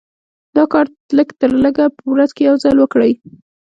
دا کار لږ تر لږه په ورځ کې يو ځل وکړئ.